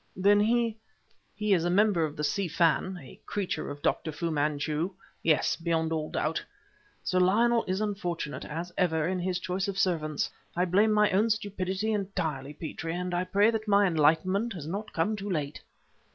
"Then he " "He is a member of the Si Fan, a creature of Dr. Fu Manchu yes, beyond all doubt! Sir Lionel is unfortunate as ever in his choice of servants. I blame my own stupidity entirely, Petrie; and I pray that my enlightenment has not come too late."